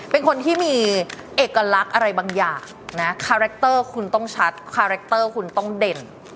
เป็นคนที่มีเอกลักษณ์อะไรบางอย่างนะคาแรคเตอร์คุณต้องชัดคาแรคเตอร์คุณต้องเด่น